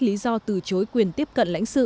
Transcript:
lý do từ chối quyền tiếp cận lãnh sự